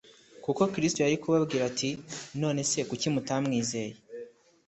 Kuko Kristo yari kubabwira ati : none se kuki mutamwizeye?